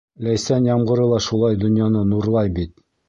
Ләйсән ямғыры ла шулай донъяны нурлай бит.